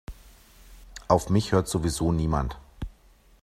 Auf mich hört sowieso niemand.